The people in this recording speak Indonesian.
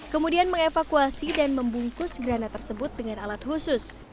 kemudian mengevakuasi dan membungkus granat tersebut dengan alat khusus